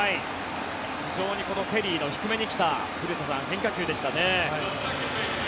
非常に、ケリーの低めに来た変化球でしたね。